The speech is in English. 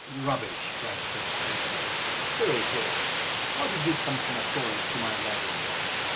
"Rubbish!" cried Fritz Bergmann. "Fairy tales! How did you come from the quarries to my wagon?"